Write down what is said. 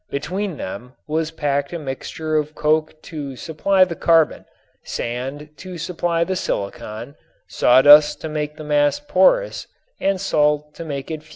Between them was packed a mixture of coke to supply the carbon, sand to supply the silicon, sawdust to make the mass porous and salt to make it fusible.